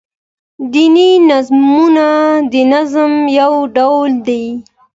دیني نظمونه دنظم يو ډول دﺉ.